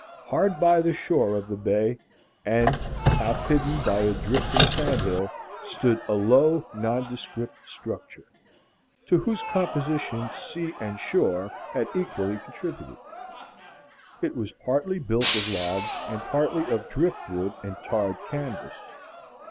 Hard by the shore of the bay, and half hidden by a drifting sand hill, stood a low nondescript structure, to whose composition sea and shore had equally contributed. It was built partly of logs and partly of driftwood and tarred canvas.